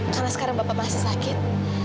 karena sekarang bapak masih sakit